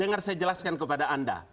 dengar saya jelaskan kepada anda